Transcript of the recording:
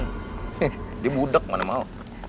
heh dia budek mana mau